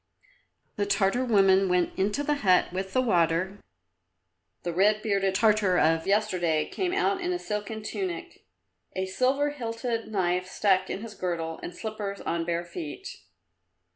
The Tartar woman went into the hut with the water; the red bearded Tartar of yesterday came out in a silken tunic, a silver hilted knife stuck in his girdle and slippers on bare feet.